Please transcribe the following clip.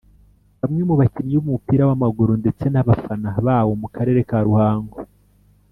Bamwe mu bakinnyi b’umupira w’amaguru ndetse n’abafana bawo mu karere ka Ruhango